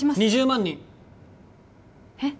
２０万人えっ？